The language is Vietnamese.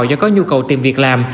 do có nhu cầu tìm việc làm